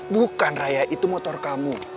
bukan raya itu motor kamu